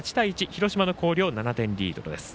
広島の広陵高校、７点リードです。